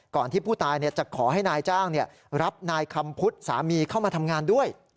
ที่ผู้ตายจะขอให้นายจ้างรับนายคำพุทธสามีเข้ามาทำงานด้วย